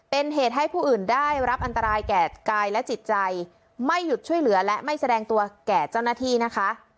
เป็นเหตุให้ผู้อื่นได้รับอันตรายแก่กายและจิตใจไม่หยุดช่วยเหลือและไม่แสดงตัวแก่เจ้าหน้าที่นะคะ